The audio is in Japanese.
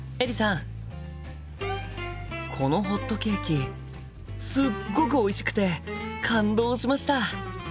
このホットケーキすっごくおいしくて感動しました！